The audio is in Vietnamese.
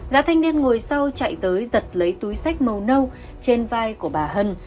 gã thanh niên ngồi sau chạy tới giật lấy túi sách màu nâu trên vai của bà hân